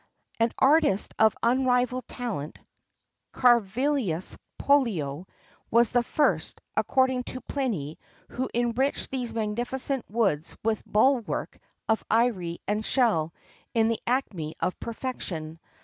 [XXXII 15] An artist of unrivalled talent, Carvilius Pollio, was the first, according to Pliny,[XXXII 16] who enriched these magnificent woods with buhl work of ivory and shell in the acme of perfection.